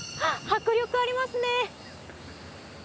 迫力ありますね！